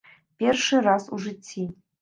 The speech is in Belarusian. Першы раз у жыцці.